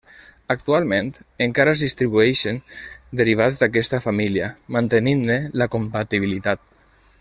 Actualment encara es distribueixen derivats d'aquesta família, mantenint-ne la compatibilitat.